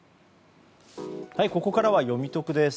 ここからはよみトクです。